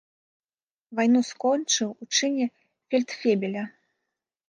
Вайну скончыў у чыне фельдфебеля.